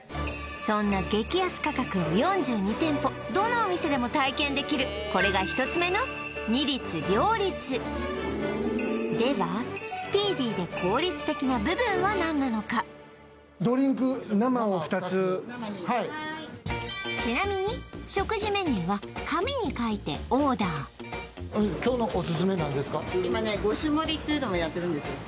そんな激安価格を４２店舗どのお店でも体験できるこれが１つ目の二律両立ではスピーディーで効率的な部分は何なのか生２はいちなみに今ね５種盛りっていうのもやってるんですよ